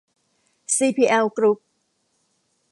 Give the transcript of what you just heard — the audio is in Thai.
ซีพีแอล กรุ๊ป